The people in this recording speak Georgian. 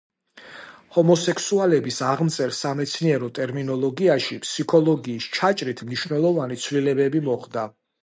ჰომოსექსუალების აღმწერ სამეცნიერო ტერმინოლოგიაში ფსიქოლოგიის ჩაჭრით მნიშვნელოვანი ცვლილებები მოხდა.